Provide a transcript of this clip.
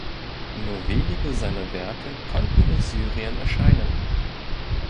Nur wenige seiner Werke konnten in Syrien erscheinen.